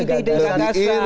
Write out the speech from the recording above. ide ide yang kakak